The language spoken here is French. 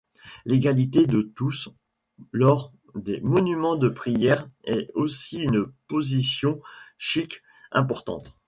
L'égalité de tous lors des moments de prière est aussi une position sikhe importante.